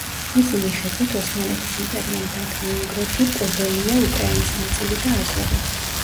მისი მიხედვით ოსმალეთის იმპერიამ დათმო უნგრეთი, პოდოლია, უკრაინის ნაწილი და აზოვი.